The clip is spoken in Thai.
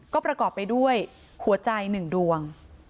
ก็ประกอบไปด้วยหัวใจ๑ดวง